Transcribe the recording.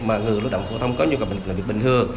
mà người lao động phổ thông có nhu cầu làm việc bình thường